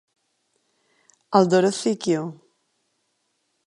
El 'Dorothy Q.